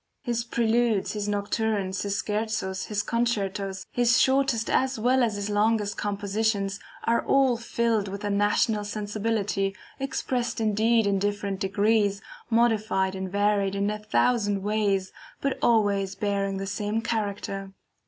His PRELUDES, his NOCTURNES, his SCHERZOS, his CONCERTOS, his shortest as well as his longest compositions, are all filled with the national sensibility, expressed indeed in different degrees, modified and varied in a thousand ways, but always bearing the same character.